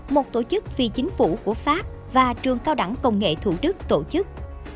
một tổ chức phi chính phủ của pháp và trường cao đẳng công nghệ thủ đức tổ chức